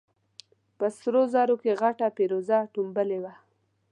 په سرو زرو کې غټه فېروزه ټومبلې وه.